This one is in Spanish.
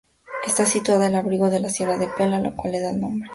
Está situada al abrigo de la Sierra de Pela, la cual le da nombre.